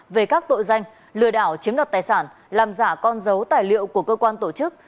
về các tội danh lừa đảo chiếm đoạt tài sản làm giả con dấu tài liệu của cơ quan tổ chức